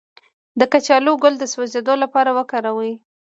د کچالو ګل د سوځیدو لپاره وکاروئ